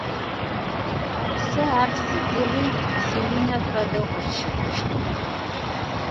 Сэ ар сыдигъуи сиунэ фэдэу къысщыхъущтыгъэ.